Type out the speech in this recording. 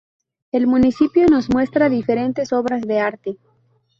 El municipio nos muestra diferentes obras de arte.